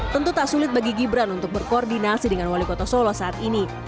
tentu tak sulit bagi gibran untuk berkoordinasi dengan wali kota solo saat ini